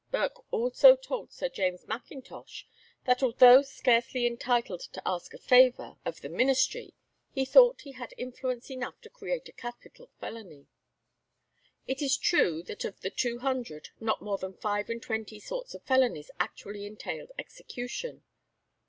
Burke also told Sir James Mackintosh, that although scarcely entitled to ask a favour of the ministry, he thought he had influence enough to create a capital felony. It is true that of the two hundred, not more than five and twenty sorts of felonies actually entailed execution.